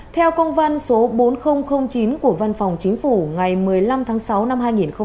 theo công văn số bốn nghìn chín của văn phòng chính phủ ngày một mươi năm tháng sáu năm hai nghìn hai mươi